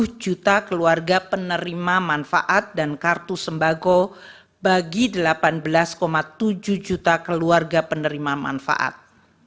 satu juta keluarga penerima manfaat dan kartu sembako bagi delapan belas tujuh juta keluarga penerima manfaat